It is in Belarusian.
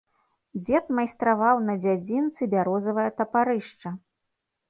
Дзед майстраваў на дзядзінцы бярозавае тапарышча.